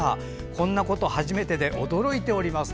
こんなこと初めてで驚いております。